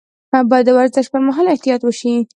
باید د ورزش پر مهال احتیاط وشي.